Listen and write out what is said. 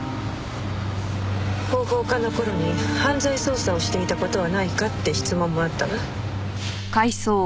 広報課の頃に犯罪捜査をしていた事はないかって質問もあったわ。